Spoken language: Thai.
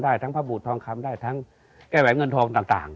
ได้ทั้งพระบูธทองคำได้ทั้งแก้แหวนเงินทองต่าง